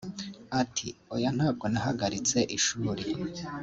Ati “Oya ntabwo nahagaritse ishuri